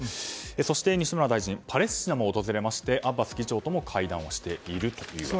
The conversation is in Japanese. そして西村大臣はパレスチナも訪れましてアッバス議長とも会談をしていると。